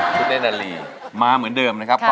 คุณเต้นนาลีมาเหมือนเดิมนะครับ